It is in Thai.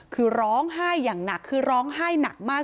คือร้องไห้อย่างหนักคือร้องไห้หนักมาก